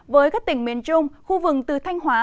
với các tỉnh miền trung khu vực từ thanh hóa